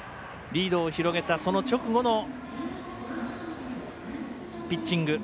リードを広げたその直後のピッチング。